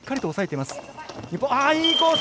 いいコース。